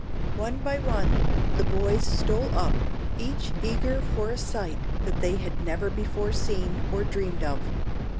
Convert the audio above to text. One by one the boys stole up, each eager for a sight that they had never before seen or dreamed of.